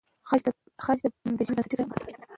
خج د ژبې بنسټیزه برخه ده.